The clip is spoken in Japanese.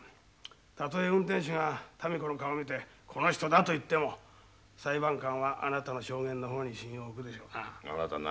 たとえ運転手が民子の顔を見て「この人だ」と言っても裁判官はあなたの証言の方に信用を置くでしょうな。